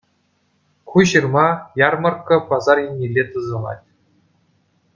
Ку ҫырма «Ярмӑрккӑ» пасар еннелле тӑсӑлать.